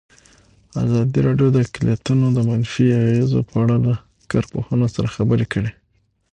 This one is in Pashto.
ازادي راډیو د اقلیتونه د منفي اغېزو په اړه له کارپوهانو سره خبرې کړي.